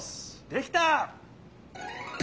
できた！